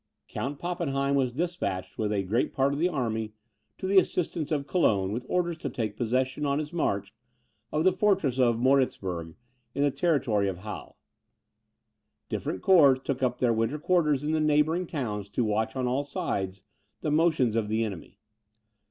Count Pappenheim was despatched, with great part of the army, to the assistance of Cologne, with orders to take possession, on his march, of the fortress of Moritzburg, in the territory of Halle. Different corps took up their winter quarters in the neighbouring towns, to watch, on all sides, the motions of the enemy.